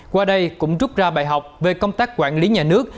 qua đây cũng rút ra bài học về công tác quản lý nhà nước